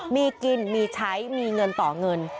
มีกินมีใช้มีเงินต่อเงิน